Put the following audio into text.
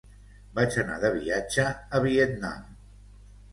Vaig anar de viatge a Vietnam.